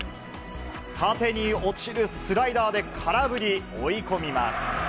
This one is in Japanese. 縦に落ちるスライダーで空振り、追い込みます。